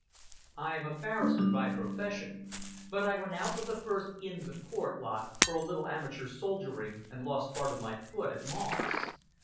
"I am a barrister by profession, but I went out with the first Inns of Court lot for a little amateur soldiering and lost part of my foot at Mons.